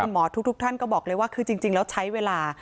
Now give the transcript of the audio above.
หมอทุกท่านก็บอกเลยว่าคือจริงแล้วใช้เวลา